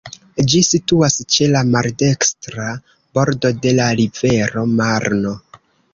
Ĝi situas ĉe la maldekstra bordo de la rivero Marno.